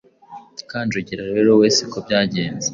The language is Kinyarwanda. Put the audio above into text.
Kanjogera rero we siko byagenze